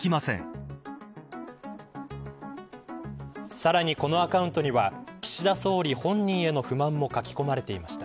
さらに、このアカウントには岸田総理本人への不満も書き込まれていました。